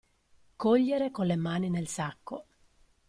Cogliere con le mani nel sacco.